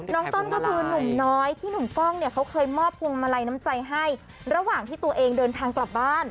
ต้นก็คือหนุ่มน้อยที่หนุ่มกล้องเนี่ยเขาเคยมอบพวงมาลัยน้ำใจให้ระหว่างที่ตัวเองเดินทางกลับบ้าน